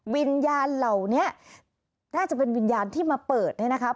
วิญญาณเหล่านี้น่าจะเป็นวิญญาณที่มาเปิดเนี่ยนะครับ